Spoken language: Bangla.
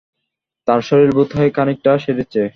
তার শরীর বোধ হয় খানিকটা সেরেছে।